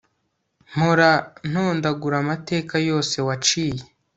mpora ntondagura amateka yose waciye